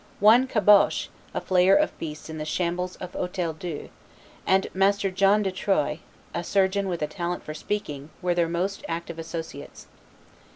"One Caboche, a flayer of beasts in the shambles of Hotel Dieu, and Master John de Troyes, a surgeon with a talent for speaking, were their most active associates.